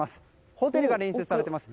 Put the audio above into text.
ホテルが隣接されています。